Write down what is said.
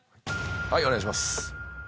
はいお願いします。